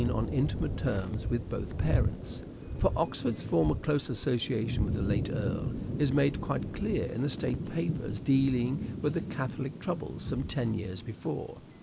on intimate terms with both parents ; for Oxford's former close association with the late Earl is made quite clear in the State Papers dealing with the catholic troubles some ten years before.